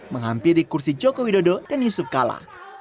menghampiri kursi jokowi dodo dan yusuf kala